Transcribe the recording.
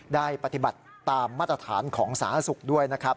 ได้ปฏิบัติตามมาตรฐานของสาธารณสุขด้วยนะครับ